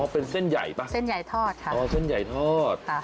เป็นเส้นใหญ่ป่ะเส้นใหญ่ทอดค่ะอ๋อเส้นใหญ่ทอด